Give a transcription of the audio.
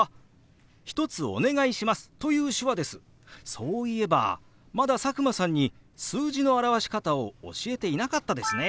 そういえばまだ佐久間さんに数字の表し方を教えていなかったですね。